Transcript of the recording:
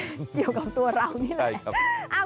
เกี่ยวกับตัวเรานี่แหละ